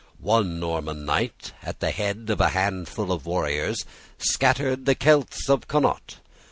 One Norman knight, at the head of a handful of warriors, scattered the Celts of Connaught.